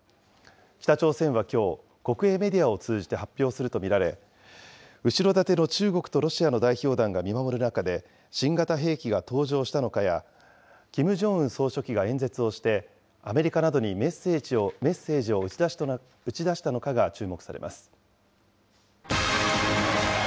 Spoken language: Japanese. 北朝鮮はきょう、国営メディアを通じて発表すると見られ、後ろ盾の中国とロシアの代表団が見守る中で、新型兵器が登場したのかや、キム・ジョンウン総書記が演説をして、アメリカなどにメッセージを打ち出したのかが注目されます。